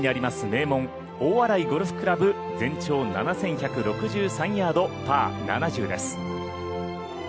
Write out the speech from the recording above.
名門・大洗ゴルフ倶楽部全長７１６３ヤードパー７０です。